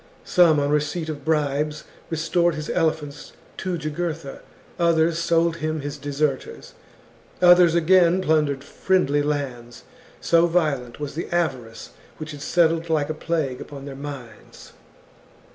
Some on receipt of bribes restored his elephants to Jugurtha, others sold him his deserters, others, again, plundered friendly lands : so violent was the avarice which had settled like a plague upon their minds.